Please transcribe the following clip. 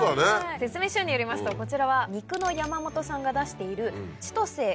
説明書によりますとこちらは肉の山本さんが出している。